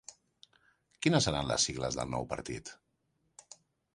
Quines seran les sigles del nou partit?